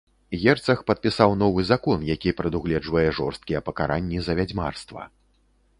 Герцаг падпісаў новы закон, які прадугледжвае жорсткія пакаранні за вядзьмарства.